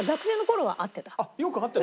よく会ってたの？